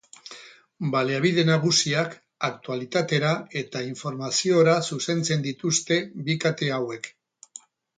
Baliabide nagusiak aktualitatera eta informaziora zuzentzen dituzte bi kate hauek.